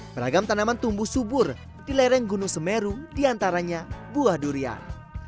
beragam tanaman tumbuh subur di lereng gunung semeru diantaranya buah durian